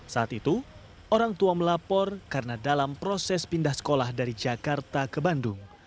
saat itu orang tua melapor karena dalam proses pindah sekolah dari jakarta ke bandung